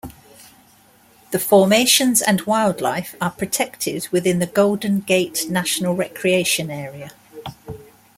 The formations and wildlife are protected within the Golden Gate National Recreation Area.